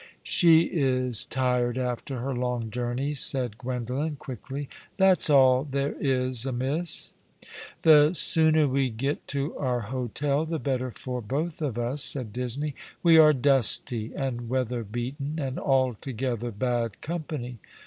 " She is tired after her long journey," said Gwendolen, quickly. " That's all there is amiss.'* "The sooner wo get to our hotel the better for both of Ui5," said Disney. " We are dusty and weat'ier bcaten, and altogether bad company.